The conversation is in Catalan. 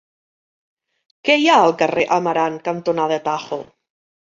Què hi ha al carrer Amarant cantonada Tajo?